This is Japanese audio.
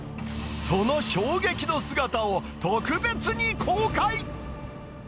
その衝撃の姿を、特別に公開。